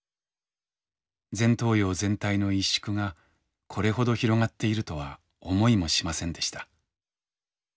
前頭葉全体の萎縮がこれほど広がっているとは思いもしませんでした。